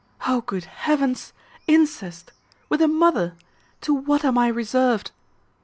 O good Heavens! incest with a mother! To what am I reserved!"